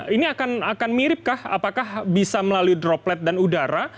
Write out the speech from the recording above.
ini akan miripkah apakah bisa melalui droplet dan udara